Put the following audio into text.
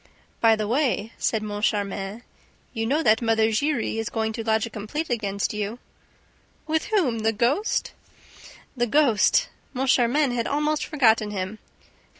"By the way," said Moncharmin, "you know that Mother Giry is going to lodge a complaint against you." "With whom? The ghost?" The ghost! Moncharmin had almost forgotten him.